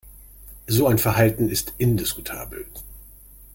So ein Verhalten ist indiskutabel.